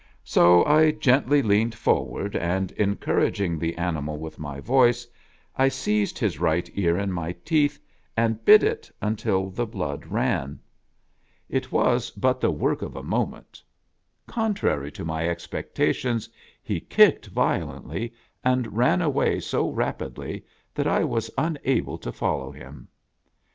So I gently leaned forward, and, encouraging the animal with my voice, I seized his right ear in my teeth, and bit it until the blood ran. It was but the 'taming a jackass. work of a moment. Contrary to my expectations, he kicked violently, and ran way so rapidly that I was unable to follow him.